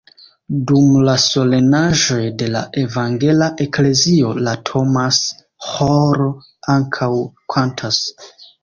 Dum la solenaĵoj de la evangela eklezio la Thomas-ĥoro ankaŭ kantas.